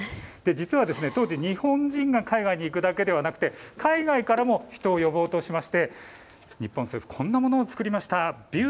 実は当時、日本人が海外に行くだけではなくて海外からも人を呼ぼうとしていましてこんなものを作りました。